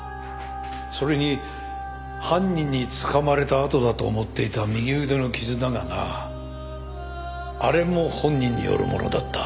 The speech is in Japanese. それに犯人につかまれた痕だと思っていた右腕の傷だがなあれも本人によるものだった。